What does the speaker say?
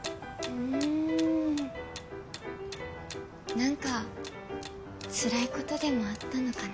何かつらいことでもあったのかな？